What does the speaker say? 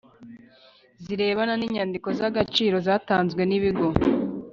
Birebana n inyandiko z agaciro zatanzwe n ibigo